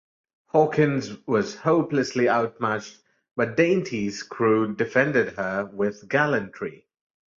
Hawkins was hopelessly outmatched, but "Dainty"'s crew defended her with gallantry.